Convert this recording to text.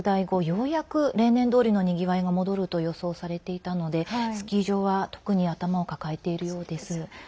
ようやく例年どおりのにぎわいが戻ると予想されていたのでスキー場は特に頭を抱えているようです。